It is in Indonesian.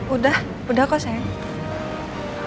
udah udah kok sayang